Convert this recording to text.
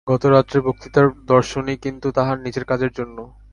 গত রাত্রের বক্তৃতার দর্শনী কিন্তু তাঁহার নিজের কাজের জন্য।